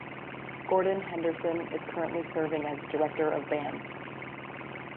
Gordon Henderson is currently serving as Director of Bands.